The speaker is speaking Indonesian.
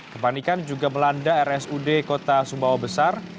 kepanikan juga melanda rsud kota sumbawa besar